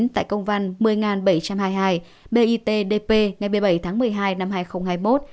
tại công văn một mươi bảy trăm hai mươi hai bitdp ngày một mươi bảy tháng một mươi hai năm hai nghìn hai mươi một